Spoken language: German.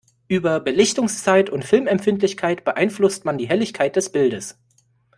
Über Belichtungszeit und Filmempfindlichkeit beeinflusst man die Helligkeit des Bildes.